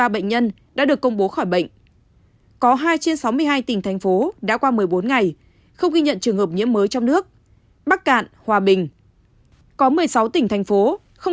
bệnh nhân được công bố khỏi bệnh trong ngày một một trăm ba mươi sáu tổng số ca được điều trị khỏi bảy trăm chín mươi hai chín trăm tám mươi